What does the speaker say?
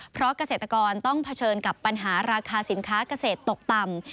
เพราะเกษตรกรต้องเผชิญกับปัญหาราคาสินค้าเกษตรตกต่ำ